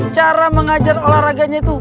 cara mengajar olahraganya itu